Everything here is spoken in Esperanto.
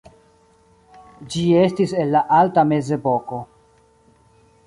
Ĝi estis el la alta mezepoko.